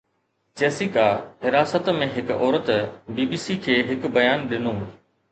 Jessica, حراست ۾ هڪ عورت، بي بي سي کي هڪ بيان ڏنو